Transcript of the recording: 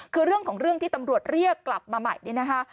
คือเรื่องของเรื่องที่ตำรวจเรียกกลับมาใหม่เนี่ยนะคะ